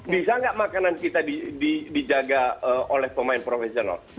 bisa nggak makanan kita dijaga oleh pemain profesional